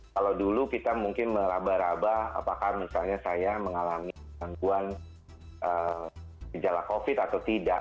kalau dulu kita mungkin meraba raba apakah misalnya saya mengalami gangguan gejala covid atau tidak